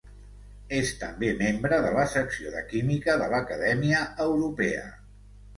És també membre de la Secció de Química de l'Acadèmia Europea.